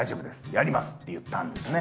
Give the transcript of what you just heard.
やります」って言ったんですね。